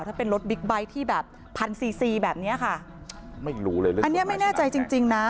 ถ้าเป็นรถบิ๊กไบท์ที่แบบพันซีซีแบบเนี้ยค่ะไม่รู้เลยเรื่องอันเนี้ยไม่แน่ใจจริงจริงนะ